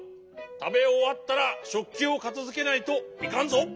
たべおわったらしょっきをかたづけないといかんぞ。